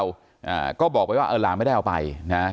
พี่สาวก็บอกว่าเออหลานไม่ได้เอาไปนะครับ